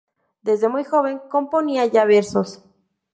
Desde muy joven componía ya versos.